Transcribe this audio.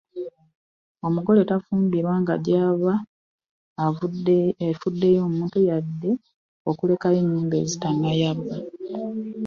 Omugole tafumbirwa nga gy’ava efuddeyo omuntu yadde okulekayo ennyimbe ezitannayaba.